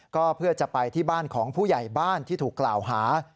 ก็เพื่อจะไปที่บ้านของผู้ใหญ่บ้านที่ถูกกล่าวหา